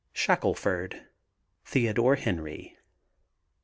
SHACKELFORD, THEODORE HENRY.